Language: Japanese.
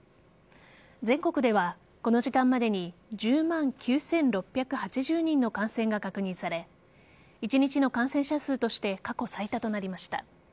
全国ではこの時間までに１０万９６８０人の感染が確認され１日の感染者数として過去最多となりました。